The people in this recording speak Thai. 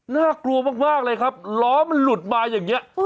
น่ากลัวมากเลยครับล้อมันหลุดมาอย่างนี้